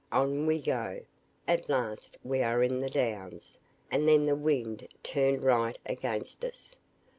On we go; at last we are in the Downs, and then the wind turned right against us.